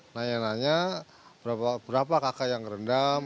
nanya nanya berapa kakak yang rendam